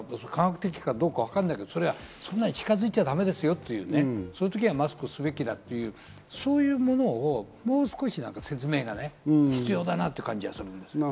２メートルが科学的かわからないけど、そんなに近づいちゃだめですよと、そういう時はマスクをすべきだという、そういうものの、もう少し説明が必要だなという感じがする。